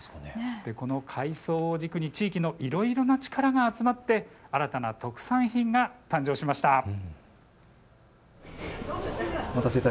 この海藻を軸に地域のいろいろな力が集まって新たな特産品が誕生しました。